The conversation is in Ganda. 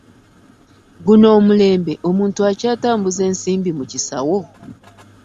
Guno omulembe omuntu akyatambuza ensimbi mu kisawo?